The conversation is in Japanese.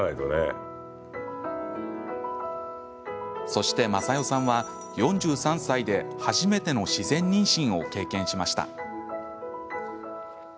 そして雅代さんは、４３歳で初めての自然妊娠を経験しました。